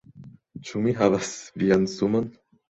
Ĉu mi havas vian sumon?